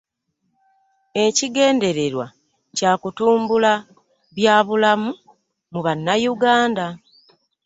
Ekigendererwa Kya kutumbula bya bulamu mu Bannayuganda.